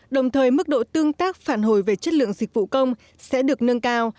đồng thời mức độ tương tác phản hồi về chất lượng dịch vụ công sẽ được nâng cao